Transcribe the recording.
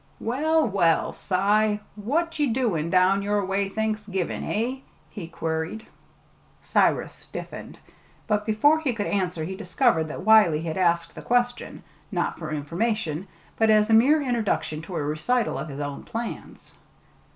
"Well, well, Cy, what ye doin' down your way Thanksgivin' eh?" he queried. Cyrus stiffened; but before he could answer he discovered that Wiley had asked the question, not for information, but as a mere introduction to a recital of his own plans.